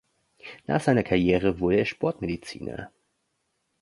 Nach seiner Karriere wurde er Sportmediziner.